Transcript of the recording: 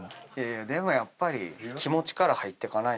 でもやっぱり気持ちから入ってかないと。